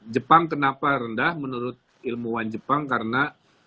jepang kenapa rendah menurut ilmuwan jepang karena